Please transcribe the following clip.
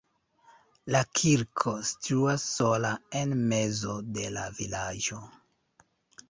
La kirko situas sola en mezo de la vilaĝo.